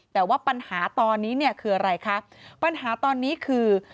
แต่ว่าปัญหาตอนนี้เนี่ยคืออะไรคะปัญหาตอนนี้คือ